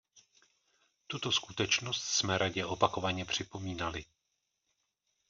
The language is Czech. Tuto skutečnost jsme radě opakovaně připomínali.